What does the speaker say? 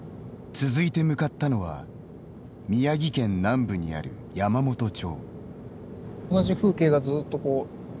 続いて向かったのは宮城県南部にある山元町。